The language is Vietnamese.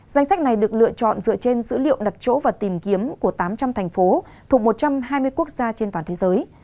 danh sách này được lựa chọn dựa trên dữ liệu đặt chỗ và tìm kiếm của tám trăm linh thành phố thuộc một trăm hai mươi quốc gia trên toàn thế giới